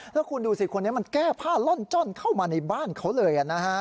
แล้วคุณดูสิคนนี้มันแก้ผ้าล่อนจ้อนเข้ามาในบ้านเขาเลย